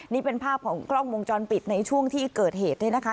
นี่เป็นภาพของกล้องวงจรปิดในช่วงที่เกิดเหตุเนี่ยนะคะ